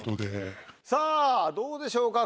さぁどうでしょうか？